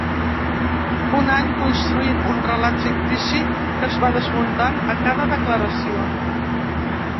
Un any construint un relat fictici que es va desmuntant a cada declaració.